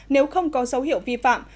nếu không có dấu hiệu vi phạm